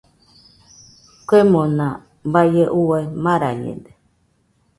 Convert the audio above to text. Kuemona baie uai marañede.